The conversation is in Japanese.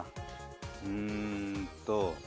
うんと。